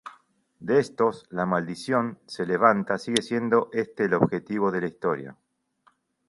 De estos, la "maldición" se levanta, siendo este el objetivo de la historia.